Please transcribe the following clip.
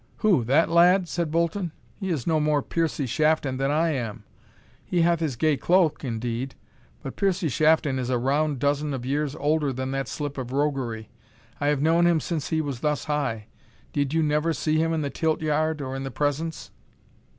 "Who, that lad?" said Bolton; "he is no more Piercie Shafton than I am. He hath his gay cloak indeed but Piercie Shafton is a round dozen of years older than that slip of roguery. I have known him since he was thus high. Did you never see him in the tilt yard or in the presence?"